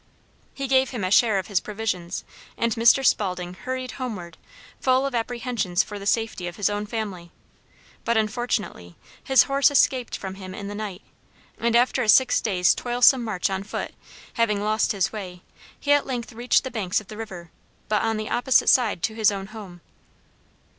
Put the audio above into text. He gave him a share of his provisions, and Mr. Spaulding hurried homeward, full of apprehensions for the safety of his own family; but, unfortunately, his horse escaped from him in the night, and after a six days' toilsome march on foot, having lost his way, he at length reached the banks of the river, but on the opposite side to his own home.